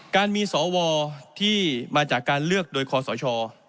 การมีสวที่มาจากการเลือกโดยคอสช